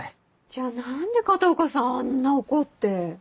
じゃあ何で片岡さんあんな怒って。